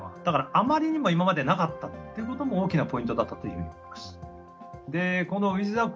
だからあまりにも今までなかったってことも大きなポイントだったというふうに思います。